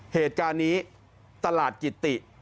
เหตุการณ์นี้ตลาดกิติ